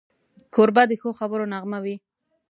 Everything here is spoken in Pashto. کوربه د ښو خبرو نغمه وي.